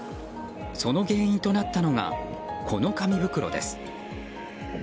その原因となったのがこの紙袋です。